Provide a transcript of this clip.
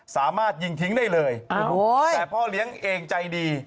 สามารถยิงทิ้งได้เลยแต่พ่อเลี้ยงเองใจดี